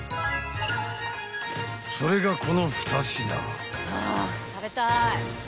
［それがこの２品］